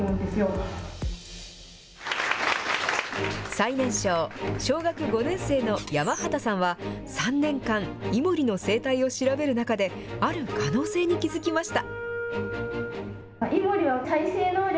最年少、小学５年生の山端さんは３年間、イモリの生態を調べる中で、ある可能性に気付きました。